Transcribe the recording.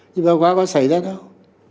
nhưng vừa qua có xảy ra đâu